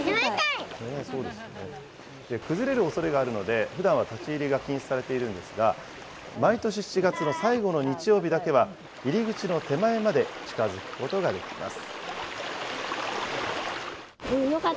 崩れるおそれがあるので、ふだんは立ち入りが禁止されているんですが、毎年７月の最後の日曜日だけは、入り口の手前まで近づくことができます。